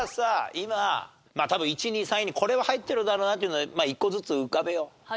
今まあ多分１位２位３位にこれは入ってるだろうなっていうの１個ずつ浮かべよう。